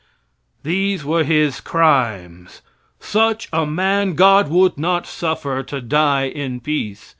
These were his crimes. Such a man God would not suffer to die in peace.